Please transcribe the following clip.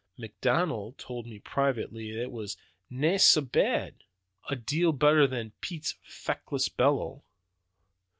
McDonald told me privately that it was 'nae sa bad; a deal better than Pete's feckless bellow.'